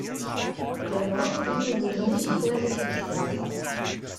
Der Nordflügel wurde nicht fertiggestellt.